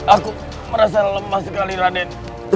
aku merasa lemah sekali raden